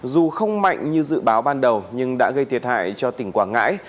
dù không mạnh như dự báo ban đầu nhưng đã gây thiệt hại cho tỉnh quảng ngãi